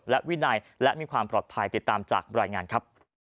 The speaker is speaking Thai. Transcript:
และวินัยและมีความปลอดภัยติดตามจากรายงานครับ